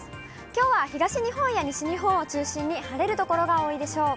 きょうは東日本や西日本を中心に、晴れる所が多いでしょう。